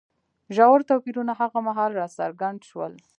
ژور توپیرونه هغه مهال راڅرګند شول.